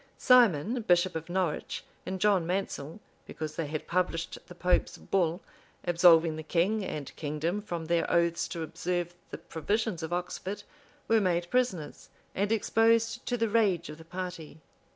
[] Simon, bishop of Norwich, and John Mansel, because they had published the pope's bull, absolving the king and kingdom from their oaths to observe the provisions of Oxford, were made prisoners, and exposed to the rage of the party.